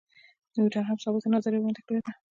نیوټن هم ثابته نظریه وړاندې کړې ده.